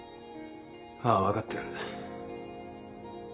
ああ分かってる。